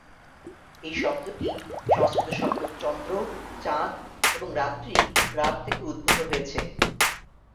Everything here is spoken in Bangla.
এই শব্দটি সংস্কৃত শব্দ "চন্দ্র" "চাঁদ" এবং "রাত্রি" "রাত" থেকে উদ্ভূত হয়েছে।